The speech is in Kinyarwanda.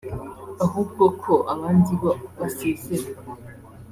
ahubwo ko abandi bo basezera